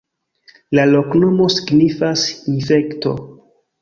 La loknomo signifas: infekto.